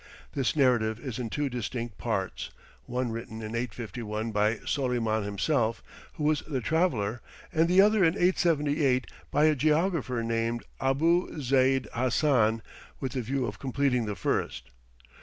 This narrative is in two distinct parts, one written in 851, by Soleyman himself, who was the traveller, and the other in 878 by a geographer named Abou Zeyd Hassan with the view of completing the first.